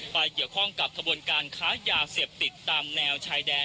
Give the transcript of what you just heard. ไปเกี่ยวข้องกับขบวนการค้ายาเสพติดตามแนวชายแดน